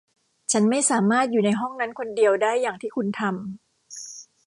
ฉันไม่สามารถอยู่ในห้องนั้นคนเดียวได้อย่างที่คุณทำ